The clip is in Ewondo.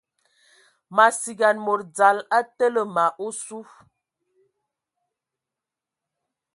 Ma sigan mod dzal a tele ma osu.